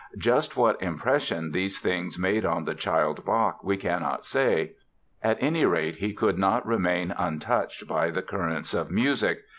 Just what impression these things made on the child Bach we cannot say. At any rate he could not remain untouched by the currents of music.